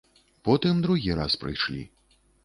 Потым другі раз прыйшлі.